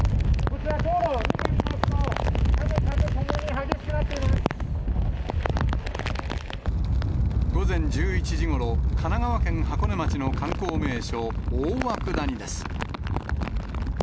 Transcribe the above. こちら、道路を見ますと、午前１１時ごろ、神奈川県箱根町の観光名所、大涌谷です。